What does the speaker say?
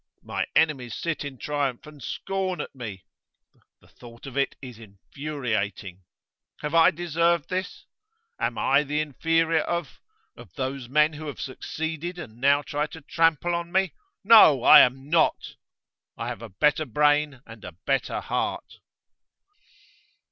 My enemies sit in triumph, and scorn at me; the thought of it is infuriating. Have I deserved this? Am I the inferior of of those men who have succeeded and now try to trample on me? No! I am not! I have a better brain and a better heart!